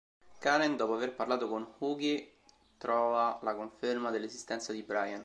Karen, dopo aver parlato con Hughie, trova la conferma dell'esistenza di Brian.